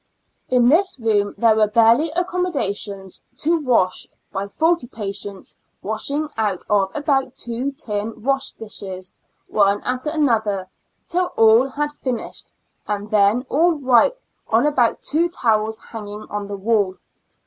In this room there were barely accommodations to wash by forty patients washing out of about two tin wash dishes, one after another, till all had finished, and then all wipe on about two towels hanging on the wall.